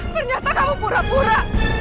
ternyata kamu pura pura